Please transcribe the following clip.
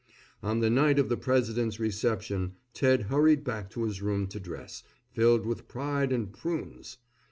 On the night of the president's reception Ted hurried back to his room to dress, filled with pride and prunes.